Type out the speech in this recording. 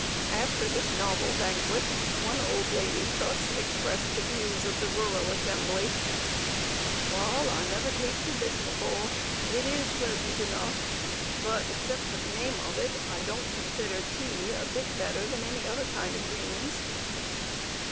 After this novel banquet, one old lady thus expressed the views of the rural assembly: "Well, I never tasted this before. It is pleasant enough; but except for the name of it, I don't consider tea a bit better than any other kind of greens!"